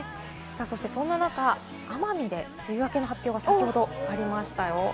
そんな中、奄美で梅雨明けの発表が先ほどありましたよ。